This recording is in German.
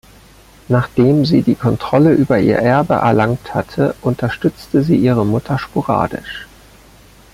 Nachdem sie die Kontrolle über ihr Erbe erlangt hatte, unterstützte sie ihre Mutter sporadisch.